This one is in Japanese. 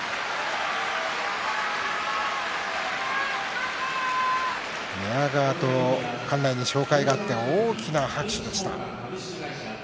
拍手寝屋川と館内に紹介があって大きな拍手でした。